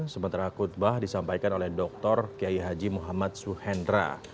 sementara khutbah disampaikan oleh dr kiai haji muhammad suhendra